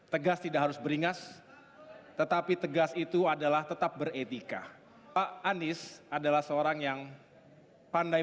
tegas tidak harus beringas tetapi tegas itu adalah tetap beretika pak anies adalah seorang yang pandai